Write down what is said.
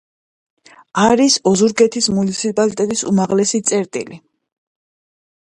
არის ოზურგეთის მუნიციპალიტეტის უმაღლესი წერტილი.